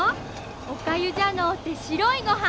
おかゆじゃのうて白いごはん。